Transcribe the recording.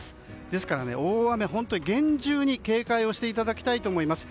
ですから大雨、厳重に警戒をしていただきたいと思います。